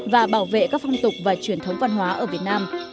và bảo vệ các phong tục và truyền thống văn hóa ở việt nam